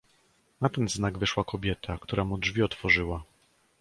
"Na ten znak wyszła kobieta, która mu drzwi otworzyła."